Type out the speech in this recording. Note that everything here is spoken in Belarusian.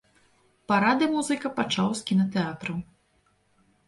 Парады музыка пачаў з кінатэатраў.